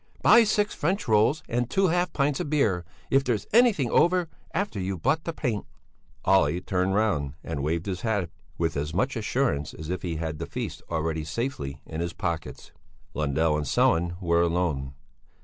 "Buy six French rolls and two half pints of beer if there's anything over after you've bought the paint." Olle turned round and waved his hat with as much assurance as if he had the feast already safely in his pockets. Lundell and Sellén were alone.